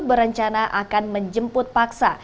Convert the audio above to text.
berencana akan menjemput paksa